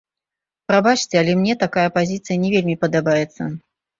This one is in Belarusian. Прабачце, але мне такая пазіцыя не вельмі падабаецца.